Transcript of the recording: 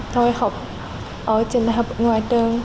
tôi học ở trường đại học ngoại thương